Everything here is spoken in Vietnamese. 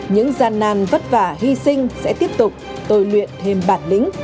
những gian nan vất vả hy sinh sẽ tiếp tục tôi luyện thêm bản lĩnh